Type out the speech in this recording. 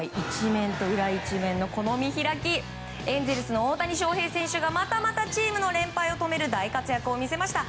１面と裏１面のこの見開きエンゼルスの大谷翔平選手がまたまたチームの連敗を止める大活躍を見せました。